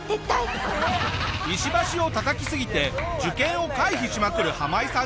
石橋を叩きすぎて受験を回避しまくるハマイさんに。